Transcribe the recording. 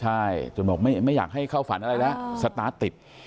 ใช่จนบอกไม่อยากให้เข้าฝันอะไรแล้วสตาร์ทติด